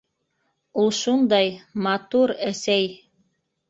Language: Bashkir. - Ул шундай... матур, әсәй!!!